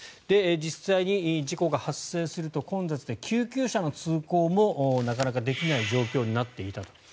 実際に事故が発生すると混雑で救急車の通行もなかなかできない状況になっていたと。